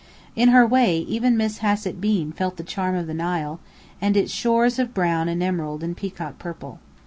In her way, even Miss Hassett Bean felt the charm of the Nile, and its shores of brown and emerald and peacock purple.